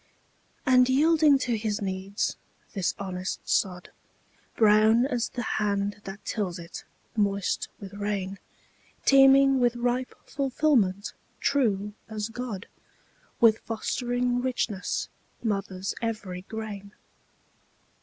And yielding to his needs, this honest sod, Brown as the hand that tills it, moist with rain, Teeming with ripe fulfilment, true as God, With fostering richness, mothers every grain.